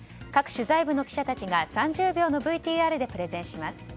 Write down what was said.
各取材部の記者たちが３０秒のＶＴＲでプレゼンします。